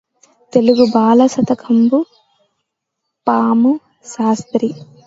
తెలుగుబాల! శతకంజంధ్యాల పాపయ్య శాస్త్రి